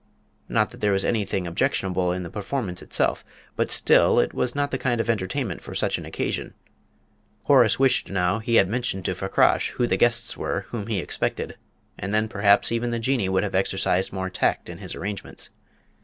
Not that there was anything objectionable in the performance itself; but still, it was not the kind of entertainment for such an occasion. Horace wished now he had mentioned to Fakrash who the guests were whom he expected, and then perhaps even the Jinnee would have exercised more tact in his arrangements.